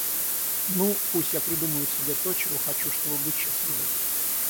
Ну, пусть я придумаю себе то, чего я хочу, чтобы быть счастливой.